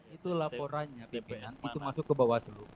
itu laporannya itu masuk ke bawah seluruh